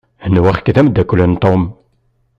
Nwiɣ-k d amdakel n Tom.